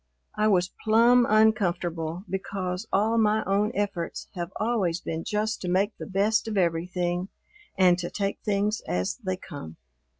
I was plumb uncomfortable, because all my own efforts have always been just to make the best of everything and to take things as they come.